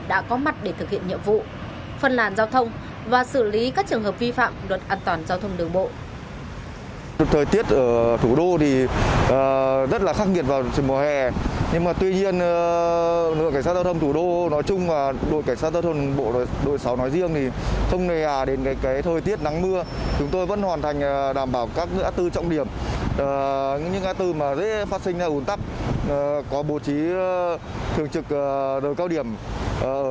đã có mặt để thực hiện nhiệm vụ phân làn giao thông và xử lý các trường hợp vi phạm luật an toàn giao thông đường bộ